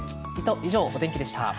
以上、お天気でした。